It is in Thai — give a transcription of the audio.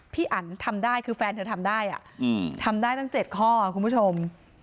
อันทำได้คือแฟนเธอทำได้ทำได้ตั้ง๗ข้อคุณผู้ชม